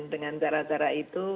dengan cara cara itu